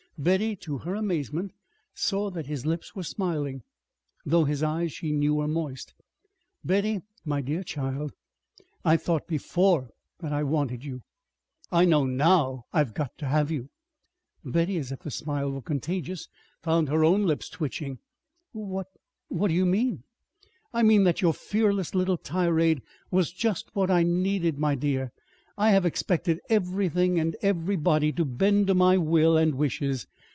Betty, to her amazement, saw that his lips were smiling, though his eyes, she knew, were moist. "Betty, my dear child, I thought before that I wanted you. I know now I've got to have you." Betty, as if the smile were contagious, found her own lips twitching. "What do you mean?" "I mean that your fearless little tirade was just what I needed, my dear. I have expected everything and everybody to bend to my will and wishes.